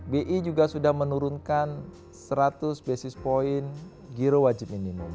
bi juga sudah menurunkan seratus basis point giro wajib minimum